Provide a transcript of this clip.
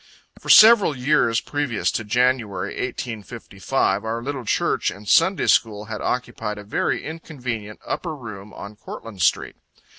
For several years previous to Jan., 1855, our little church and Sunday school had occupied a very inconvenient upper room on Courtland street.